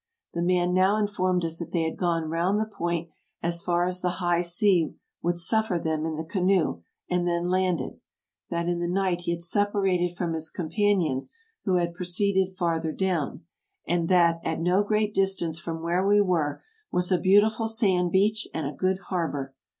The man now informed us that they had gone round the point as far as the high sea would suffer them in the canoe, and then landed; that in the night he had separated from his companions, who had proceeded farther down ; and that, at no great distance from where we Avere, was a beautiful sand beach and a good harbor.